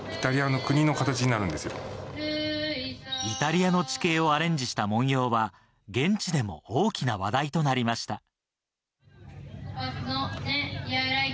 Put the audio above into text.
イタリアの地形をアレンジした文様は現地でも大きな話題となりました。